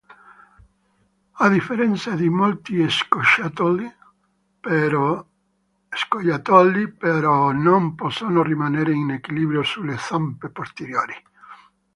A differenza di molti scoiattoli, però, non possono rimanere in equilibrio sulle zampe posteriori.